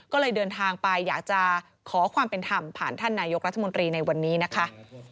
ก็เลยเดินทางไปอยากจะขอความเป็นธรรมผ่านท่านนายกรัฐมนตรีในวันนี้นะคะ